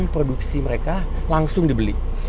produksi mereka langsung dibeli